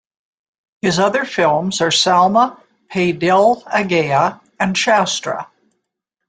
His other films are "Salma Pe Dil Aa Gaya" and "Shastra".